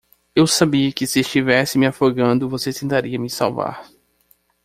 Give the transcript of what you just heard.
Eu sabia que se estivesse me afogando, você tentaria me salvar.